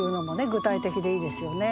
具体的でいいですよね。